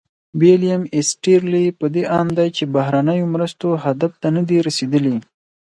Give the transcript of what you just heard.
ویلیم ایسټیرلي په دې اند دی چې بهرنیو مرستو هدف ته نه دي رسیدلي.